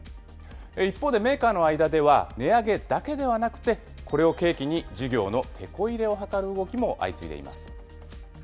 一方でメーカーの間では、値上げだけではなくて、これを契機に事業のてこ入れを図る動きも相次いでいます。